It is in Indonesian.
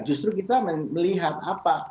justru kita melihat apa